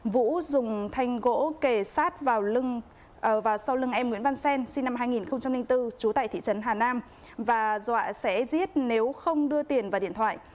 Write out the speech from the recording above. vũ dùng thanh gỗ kề sát vào lưng và sau lưng em nguyễn văn xen sinh năm hai nghìn bốn trú tại thị trấn hà nam và dọa sẽ giết nếu không đưa tiền vào điện thoại